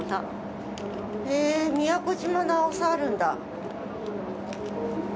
へえ、宮古島のアオサあるんだ。